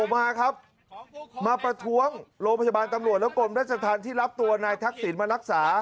มาครับมาประท้วงโรงพยาบาลตำรวจและกรมราชธรรมที่รับตัวนายทักษิณมารักษา